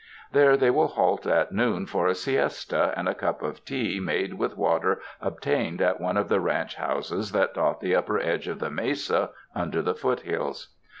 There they will halt at noon for a siesta, and a cup of tea made with water obtained at one of the ranch houses that dot the upper edge of the mesa under the foot hills.